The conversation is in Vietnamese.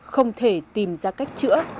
không thể tìm ra cách chữa